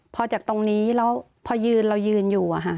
พอจากตรงนี้แล้วพอยืนเรายืนอยู่